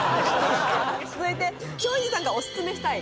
続いて松陰寺さんがオススメしたい